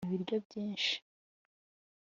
ibiryo byinshi